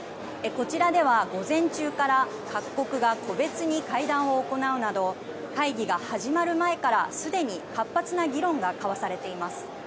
こちらでは午前中から各国が個別に会談を行うなど会議が始まる前からすでに活発な議論が交わされています。